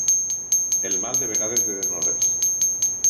El mal de vegades ve de no res.